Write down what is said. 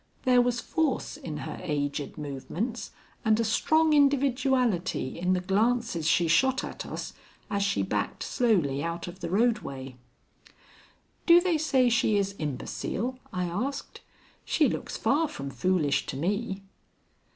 There was force in her aged movements and a strong individuality in the glances she shot at us as she backed slowly out of the roadway. "Do they say she is imbecile?" I asked. "She looks far from foolish to me."